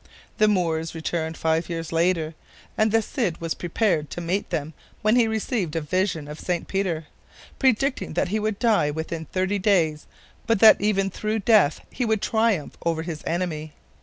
The Moors returned five years later, and the Cid was prepared to meet them when he received a vision of St. Peter, predicting that he would die within thirty days, but that even though dead he would triumph over his enemy.